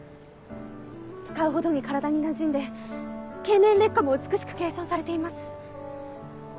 使うほどに体になじんで経年劣化も美しく計算されています。